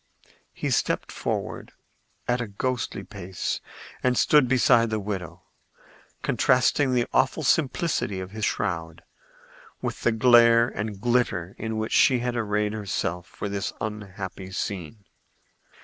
He stepped forward at a ghostly pace and stood beside the widow, contrasting the awful simplicity of his shroud with the glare and glitter in which she had arrayed herself for this unhappy scene.